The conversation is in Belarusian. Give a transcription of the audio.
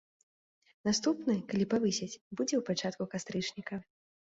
Наступны, калі павысяць, будзе ў пачатку кастрычніка.